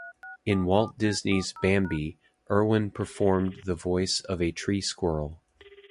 In Walt Disney's "Bambi", Erwin performed the voice of a tree squirrel.